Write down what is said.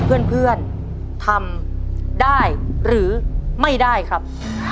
เพื่อนทำได้หรือไม่ได้ครับ